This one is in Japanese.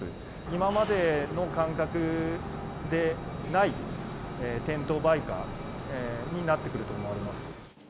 今までの感覚でない店頭売価になってくると思われます。